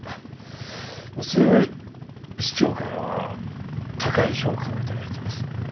まっ幸い市長からは高い評価を頂いています。